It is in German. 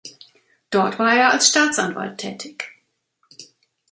Dort war er als Staatsanwalt tätig.